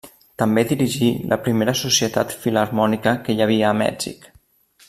També dirigí la primera societat filharmònica que hi havia a Mèxic.